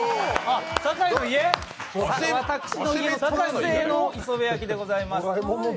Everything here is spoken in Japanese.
私の家特製の磯辺焼きでございます。